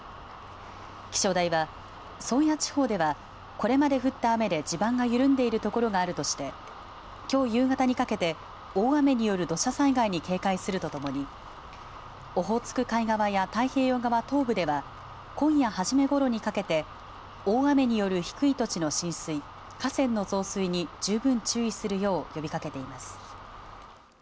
気象台は、宗谷地方ではこれまで降った雨で地盤が緩んでいるところがあるとしてきょう夕方にかけて大雨による土砂災害に警戒するともにオホーツク海側や太平洋側東部では今夜初めごろにかけて大雨による低い土地の浸水河川の増水に十分注意するよう呼びかけています